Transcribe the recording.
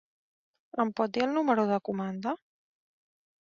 Em pot dir el número de comanda?